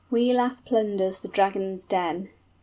WIGLAF PLUNDERS THE DRAGON'S DEN.